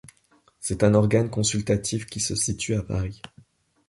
C'est un organe consultatif qui se situe à Paris.